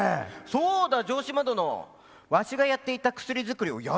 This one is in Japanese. そうだ城島殿わしがやっていた薬作りをやってみないか？